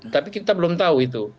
tapi kita belum tahu itu